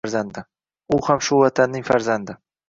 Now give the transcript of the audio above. U ham shu Vatanning farzandi.